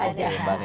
panjang selaku ini